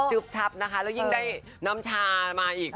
ชับนะคะแล้วยิ่งได้น้ำชามาอีก